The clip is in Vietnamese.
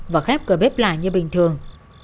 và khép cửa bếp lại như bình thường